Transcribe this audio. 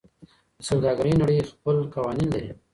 د سوداګرۍ نړۍ خپل قوانین لري.